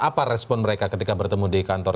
apa respon mereka ketika bertemu di kantor